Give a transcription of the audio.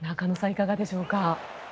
いかがでしょうか。